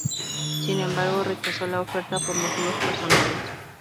Sin embargo, rechazó la oferta por motivos personales.